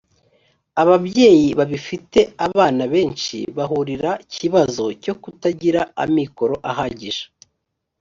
ababyeyi babifite abana benshi bahurira kibazo cyo ku kutagira amikoro ahagije.